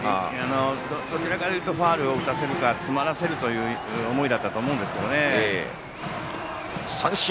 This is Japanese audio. どちらかというとファウルを打たせるか詰まらせるという思いだったと思うんですけどね。